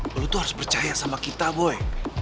boy lo tuh harus percaya sama kita boy